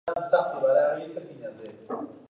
خپل ماشومان د چاپېریال ساتنې ته وهڅوئ.